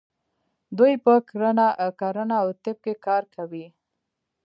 دوی په کرنه او طب کې کار کوي.